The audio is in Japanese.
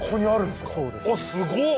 すごっ！